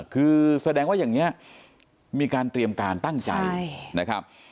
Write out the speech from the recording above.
คือแสดงว่าอย่างนี้มีการเตรียมการตั้งใจนะครับ